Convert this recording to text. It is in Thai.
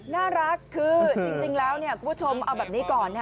น่ารักคือจริงแล้วคุณผู้ชมเอาแบบนี้ก่อน